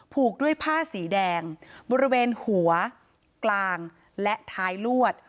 ผูกด้วยผ้าสีแดงบริเวณหัวกลางและท้ายลวด